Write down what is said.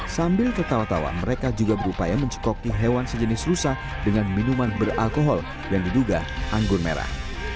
sambil ketawa tawa mereka juga berupaya mencekoki hewan sejenis rusa dengan minuman beralkohol yang diduga anggur merah